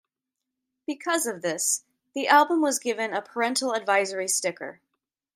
Because of this, the album was given a Parental Advisory sticker.